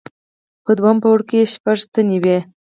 په دوهم پوړ کې شپږ ستنې وې.